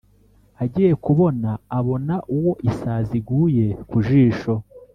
agiye kubona abona uwo isazi iguye ku jisho